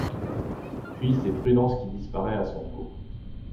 Puis, c'est Prudence qui disparaît à son tour.